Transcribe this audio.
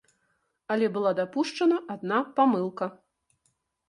Але была дапушчаная адна памылка.